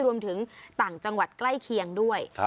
รวมถึงต่างจังหวัดใกล้เคียงด้วย